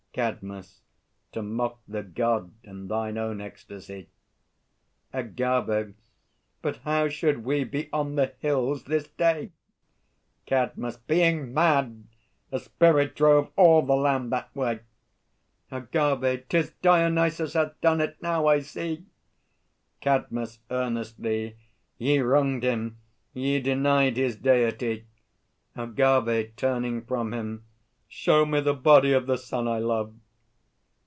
CADMUS. To mock the God and thine own ecstasy. AGAVE. But how should we be on the hills this day? CADMUS. Being mad! A spirit drove all the land that way. AGAVE. 'Tis Dionyse hath done it! Now I see. CADMUS (earnestly). Ye wronged Him! Ye denied his deity! AGAVE (turning from him). Show me the body of the son I love!